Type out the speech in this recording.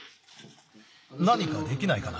なにかできないかな？